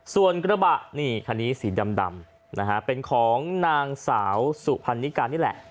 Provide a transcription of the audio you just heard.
ส่วนกระบะนี่คันนี้สีดำนะฮะเป็นของนางสาวสุพรรณิการนี่แหละ